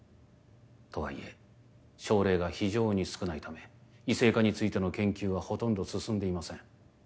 とはいえ症例が非常に少ないため異性化についての研究はほとんど進んでいません